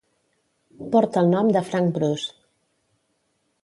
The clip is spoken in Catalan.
Porta el nom de Frank Bruce.